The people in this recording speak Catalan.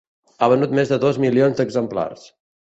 Ha venut més de dos milions d'exemplars.